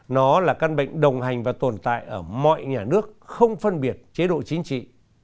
nó là căn bệnh đồng hành và tồn tại ở mọi nhà nước không phân biệt chế độ chính trị